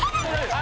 あ！